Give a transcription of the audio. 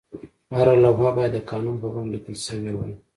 هره لوحه باید د قانون په بڼه لیکل شوې وای.